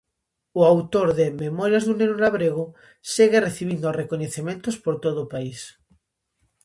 O autor de 'Memorias dun neno labrego' segue recibindo recoñecementos por todo o país.